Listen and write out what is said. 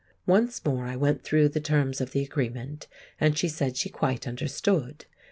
Once more I went through the terms of the agreement, and she said she quite understood.